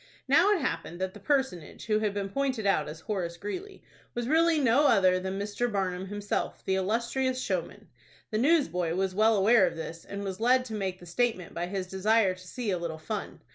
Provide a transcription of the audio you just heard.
Now it happened that the personage who had been pointed out as Horace Greeley was really no other than Mr. Barnum himself, the illustrious showman. The newsboy was well aware of this, and was led to make the statement by his desire to see a little fun.